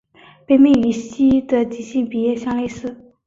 本病与西医的急性鼻炎相类似。